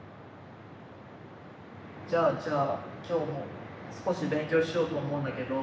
じゃあじゃあ今日も少し勉強しようと思うんだけど。